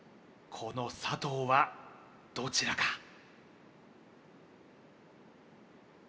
この佐藤はどちらか？